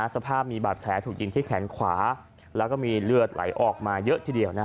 สภาพมีบาดแผลถูกยิงที่แขนขวาแล้วก็มีเลือดไหลออกมาเยอะทีเดียว